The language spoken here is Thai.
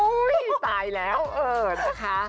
อุ้ยตายแล้วเอ่อนะคะ